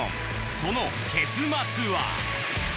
その結末は！？